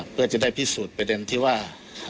เพื่อจะได้พิสูจน์ประเด็นที่ว่า